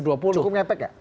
cukup ngetek ya